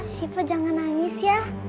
siva jangan nangis ya